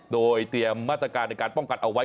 โดยเตรียมมาตรการในการป้องกันเอาไว้